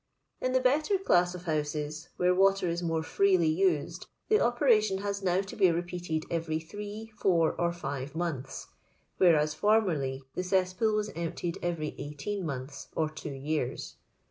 In the better class of houses, where water is more freely used, the operation has now to be repeated every three, four, or five months, whereas fbrmerly the cesspool was emptied evcxy eighteen months or two years.